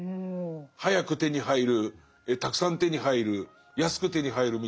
早く手に入るたくさん手に入る安く手に入るみたいのが。